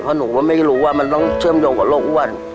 เพราะหนูก็ไม่รู้ว่ามันต้องเชื่อมโยงกับโรคอ้วน